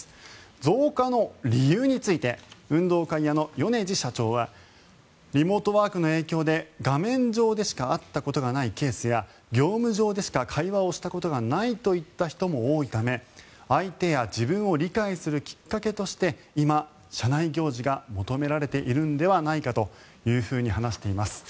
増加の理由について運動会屋の米司社長はリモートワークの影響で画面上でしか会ったことがないケースや業務上でしか会話をしたことがないといった人も多いため相手や自分を理解するきっかけとして今、社内行事が求められているのではと話しています。